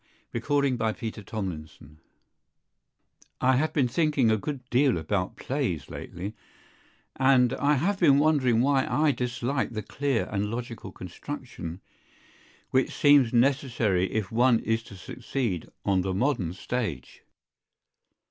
1903. [Pg 339] EMOTION OF MULTITUDE I have been thinking a good deal about plays lately, and I have been wondering why I dislike the clear and logical construction which seems necessary if one is to succeed on the Modern Stage.